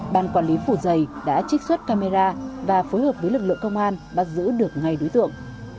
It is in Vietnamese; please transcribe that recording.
ban quản lý phủ dày đã trích xuất camera và phối hợp với lực lượng công an bắt giữ được ngay đối tượng